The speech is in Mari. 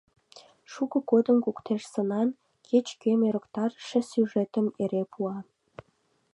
Шуко годым куктеж сынан, кеч-кӧм ӧрыктарыше сюжетым эре пуа.